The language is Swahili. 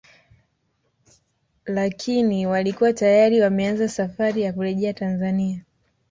Lakini walikuwa tayari wameanza safari ya kurejea Tanzania